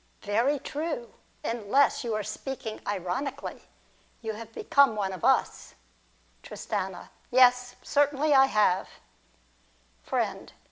Very true. Unless you are speaking ironically, you have become one of us. Tristano. Yes. Certainly I have. Friend.